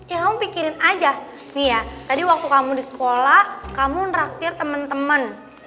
ya kamu pikirin aja nih ya tadi waktu kamu di sekolah kamu neraktir teman teman